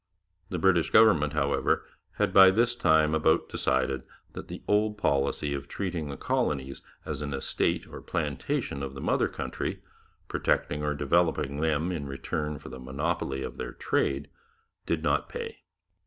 The British government, however, had by this time about decided that the old policy of treating the colonies as an estate or plantation of the mother country, protecting or developing them in return for the monopoly of their trade, did not pay.